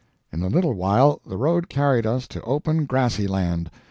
In a little while the road carried us to open, grassy land.